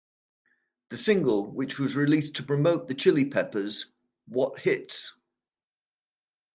The single, which was released to promote the Chili Peppers' What Hits!?